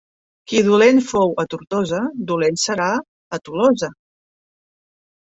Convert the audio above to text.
Qui dolent fou a Tortosa, dolent serà a Tolosa.